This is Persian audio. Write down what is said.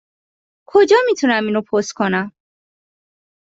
کجا می توانم این را پست کنم؟